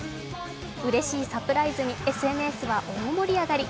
うれしいサプライズに、ＳＮＳは大盛り上がり。